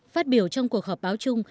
phát biểu trong cuộc họp báo chung